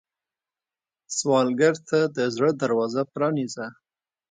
سوالګر ته د زړه دروازه پرانیزه